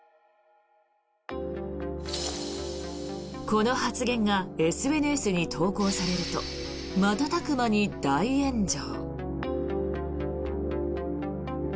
この発言がＳＮＳに投稿されると瞬く間に大炎上。